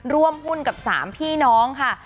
ร่วมหุ้นกับ๓พี่น้องค่ะ